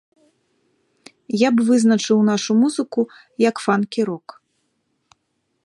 Я б вызначаў нашу музыку, як фанкі-рок.